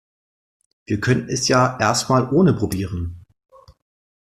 Wir können es ja erst mal ohne probieren.